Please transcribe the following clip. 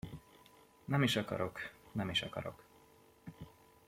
Nem is akarok, nem is akarok!